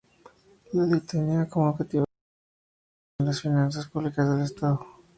La Ley tenía como objetivo reactivar la economía y las finanzas públicas del Estado.